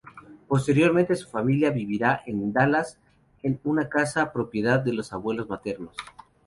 Posteriormente su familia viviría en Dallas, en una casa propiedad de sus abuelos maternos.